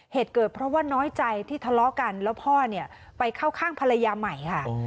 เหตุเกิดเพราะว่าน้อยใจที่ทะเลาะกันแล้วพ่อเนี่ยไปเข้าข้างภรรยาใหม่ค่ะ